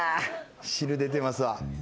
汁出てますわ。